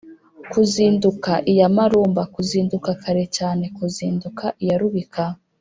kuzinduka iya marumba: kuzinduka kare cyane, kuzinduka iya rubika